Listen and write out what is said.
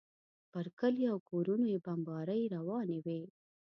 پر کلیو او کورونو یې بمبارۍ روانې وې.